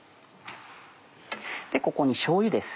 ここにしょうゆです。